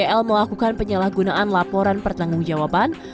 diduga sel melakukan penyalahgunaan laporan pertanggungjawaban